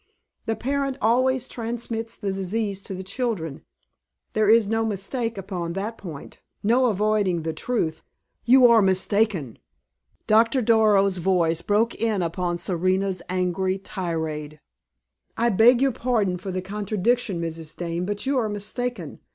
The parent always transmits the disease to the children. There is no mistake upon that point; no avoiding the truth " "You are mistaken!" Doctor Darrow's voice broke in upon Serena's angry tirade. "I beg your pardon for the contradiction, Mrs. Dane, but you are mistaken.